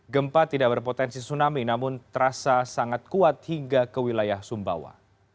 gempa tidak berpotensi tsunami namun terasa sangat kuat hingga ke wilayah sumbawa